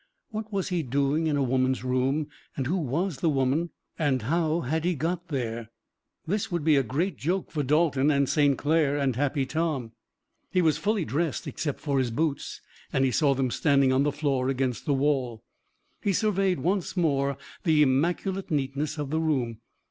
What was he doing in a woman's room, and who was the woman and how had he got there? This would be a great joke for Dalton and St. Clair and Happy Tom. He was fully dressed, except for his boots, and he saw them standing on the floor against the wall. He surveyed once more the immaculate neatness of the room.